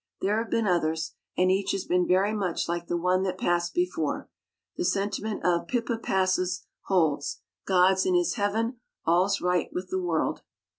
There have been others, and each has been very much like the one that passed before. The sentiment of "Pippa Passes" holds: "God's in His Heaven, all's right with the world."